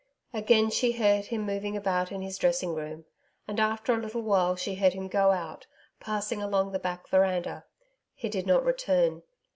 Again she heard him moving about in his dressing room, and, after a little while, she heard him go out, passing along the back veranda. He did not return.